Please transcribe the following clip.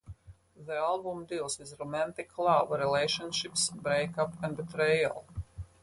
The album deals with romantic love, relationships, break up and betrayal.